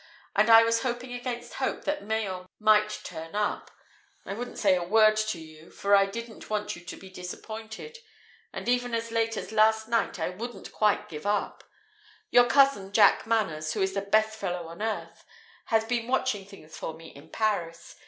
And I was hoping against hope that Mayen might turn up. I wouldn't say a word to you, for I didn't want you to be disappointed. And even as late as last night I wouldn't quite give up. Your Cousin Jack Manners, who is the best fellow on earth, has been watching things for me in Paris.